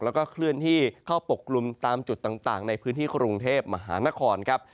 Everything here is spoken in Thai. แล้วก็เคลื่อนที่เข้าปกกลุ่มตามจุดต่างในพื้นที่กรุงเทพมหานครครับ